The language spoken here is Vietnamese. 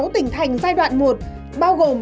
tỉnh thành giai đoạn một bao gồm